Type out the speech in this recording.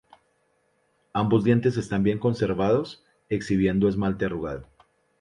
Ambos dientes están bien conservados, exhibiendo esmalte arrugado.